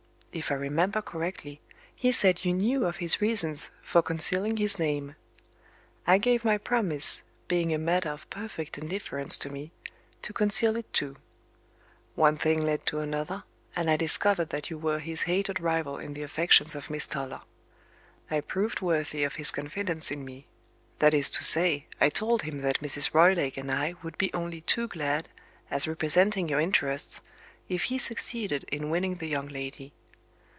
If I remember correctly, he said you knew of his reasons for concealing his name. I gave my promise (being a matter of perfect indifference to me) to conceal it too. One thing led to another, and I discovered that you were his hated rival in the affections of Miss Toller. I proved worthy of his confidence in me. That is to say, I told him that Mrs. Roylake and I would be only too glad, as representing your interests, if he succeeded in winning the young lady.